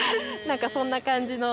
何かそんな感じの。